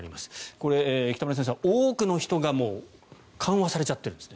これ、北村先生、多くの人が緩和されちゃってるんですね。